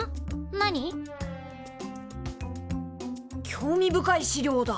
興味深い資料だ。